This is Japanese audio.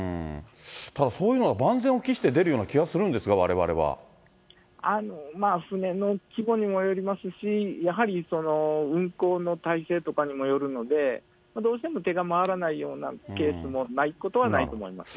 ただ、そういうのは万全を期して出るような気がするんですが、われわれまあ、船の規模にもよりますし、やはり運航の体制とかにもよるので、どうしても手が回らないようなケースもないことはないと思います。